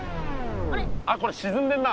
あっこれしずんでんな。